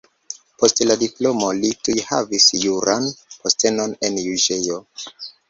Post la diplomo li tuj havis juran postenon en juĝejo.